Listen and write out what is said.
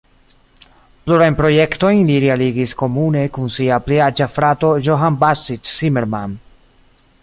Plurajn projektojn li realigis komune kun sia pli aĝa frato Johann Baptist Zimmermann.